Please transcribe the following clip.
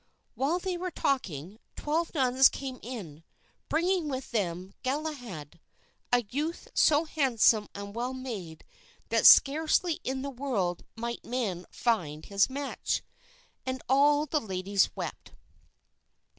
While they were talking, twelve nuns came in, bringing with them Galahad, a youth so handsome and well made that scarcely in the world might men find his match; and all the ladies wept.